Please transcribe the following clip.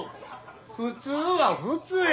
普通は普通や！